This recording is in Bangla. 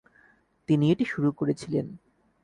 তিনি এটি শুরু করেছিলেন।